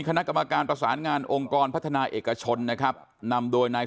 คณะกรรมการประสานงานองค์กรพัฒนาเอกชนนะครับนำโดยนาย